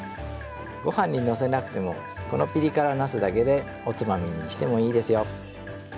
ご飯にのせなくてもこのピリ辛なすだけでおつまみにしてもいいですよ。